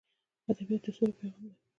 ادبیات د سولې پیغام لري.